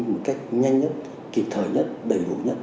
một cách nhanh nhất kịp thời nhất đầy đủ nhất